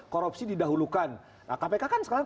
korupsi didahulukan nah kpk kan sekarang